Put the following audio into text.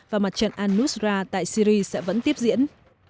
và mặt trận al nusra tại syri sẽ vẫn tiếp diễn